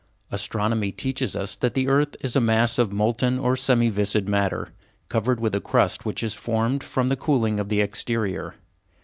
Astronomy teaches us that the earth is a mass of molten or semi viscid matter, covered with a crust which has formed from the cooling of the exterior.